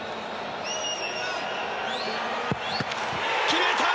決めた！